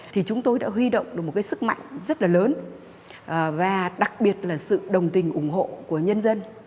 thì chúng tôi đã huy động được một cái sức mạnh rất là lớn và đặc biệt là sự đồng tình ủng hộ của nhân dân